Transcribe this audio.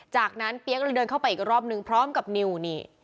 จากนั้นเปี๊ยกเลยเดินเข้าไปอีกรอบนึงพร้อมกับนิวนี่